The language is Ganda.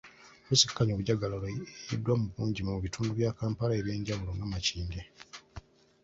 Poliisi ekkakkanya obujagalalo eyiiriddwa mu bungi mu bitundu bya Kampala ebyenjawulo nga Makindye